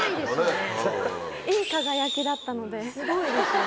すごいですよね。